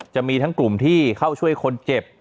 จะมีทั้งกลุ่มที่เข้าช่วยคนเจ็บ